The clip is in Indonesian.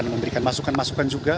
memberikan masukan masukan juga